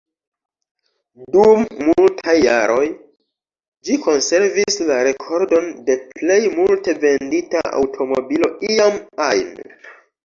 Dum multaj jaroj, ĝi konservis la rekordon de plej multe vendita aŭtomobilo iam ajn.